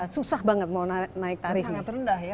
susah banget mau naik tarif ini